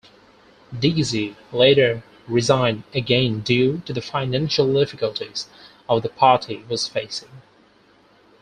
Deasy later resigned again due to the financial difficulties of the party was facing.